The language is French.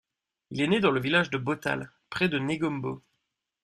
Il est né dans le village de Botale, près de Negombo.